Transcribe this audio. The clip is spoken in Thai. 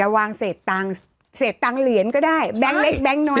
อย่าวางเศษตังค์เศษตังค์เหรียญก็ได้แบงค์เล็กแบงค์น้อยก็ได้